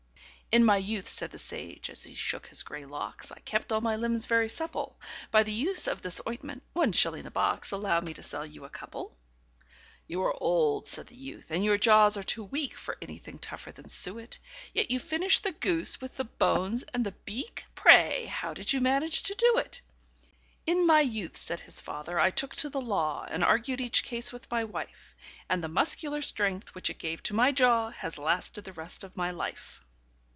"In my youth," said the sage, as he shook his grey locks, "I kept all my limbs very supple By the use of this ointment one shilling a box Allow me to sell you a couple?" "You are old," said the youth, "and your jaws are too weak For anything tougher than suet; Yet you finished the goose, with the bones and the beak Pray, how did you manage to do it?" "In my youth," said his fater, "I took to the law, And argued each case with my wife; And the muscular strength, which it gave to my jaw, Has lasted the rest of my life."